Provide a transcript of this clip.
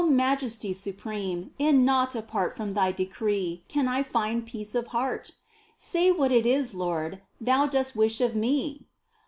Majesty supreme, in naught apart From Thy decree can I find peace of heart ! Say what it is, Lord, Thou dost wish of me